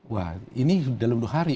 wah ini sudah lalu dua hari